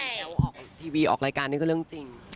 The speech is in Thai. แล้วออกทีวีออกรายการนี่ก็เรื่องจริง